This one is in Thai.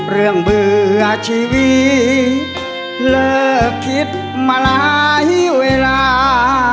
เรื่องเบื่อชีวิตเลิกคิดมาหลายเวลา